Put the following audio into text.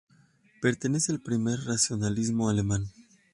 Pertenece al primer racionalismo alemán.